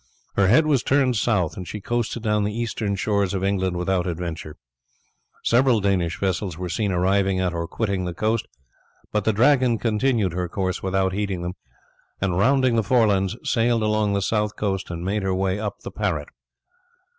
Her head was turned south, and she coasted down the eastern shores of England without adventure. Several Danish vessels were seen arriving at or quitting the coast, but the Dragon continued her course without heeding them, and rounding the Forelands, sailed along the south coast and made her way up the Parrot.